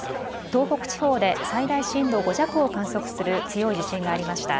東北地方で最大震度５弱を観測する強い地震がありました。